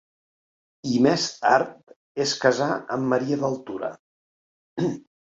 I més tard es casà amb Maria d'Altura.